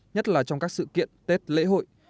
nhất là trong các sự kiện tết lễ hội